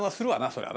そりゃ